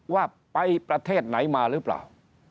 ว่าไปประเทศไหนมาหรือเปล่า